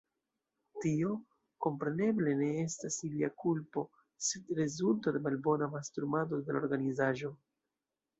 Tio, kompreneble, ne estas ilia kulpo, sed rezulto de malbona mastrumado de la organizaĵo.